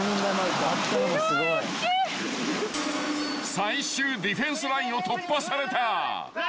［最終ディフェンスラインを突破された］